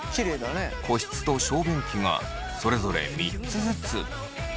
個室と小便器がそれぞれ３つずつ。